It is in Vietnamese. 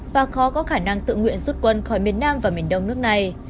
và khó có khả năng tự nguyện rút quân khỏi miền nam và miền đông nước này